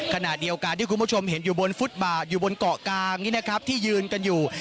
ขณะเดียวกันที่คุณผู้ชมเห็นอยู่บนฟุตบาทอยู่บนเกาะกลางนี้นะครับที่ยืนกันอยู่